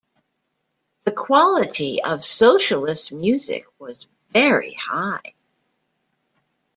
The quality of socialist music was very high.